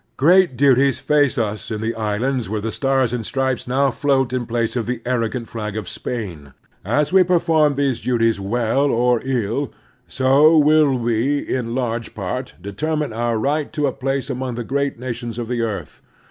Great duties face us in the islands where the Stars and Stripes now float in place of the arro gant flag of Spain. As we perform those duties well or ill, so will we, in large part, determine our right to a place among the great nations of the earth.